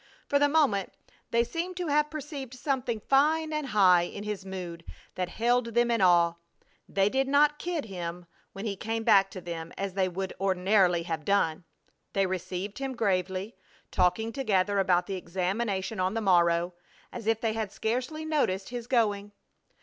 For the moment they seemed to have perceived something fine and high in his mood that held them in awe. They did not "kid" him when he came back to them, as they would ordinarily have done. They received him gravely, talking together about the examination on the morrow, as if they had scarcely noticed his going.